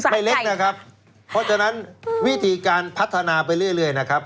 เล็กนะครับเพราะฉะนั้นวิธีการพัฒนาไปเรื่อยนะครับ